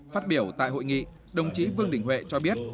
phát biểu tại hội nghị đồng chí vương đình huệ cho biết